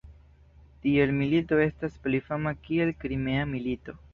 Tiel milito estas pli fama kiel Krimea milito.